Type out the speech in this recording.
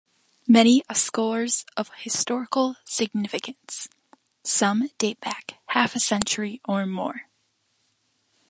Many are scores of historical significance; some date back half a century or more.